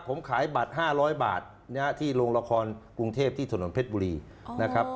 ผมขายบัตร๕๐๐บาทที่โรงละครกรุงเทพที่ถนนเพชรบุรีนะครับ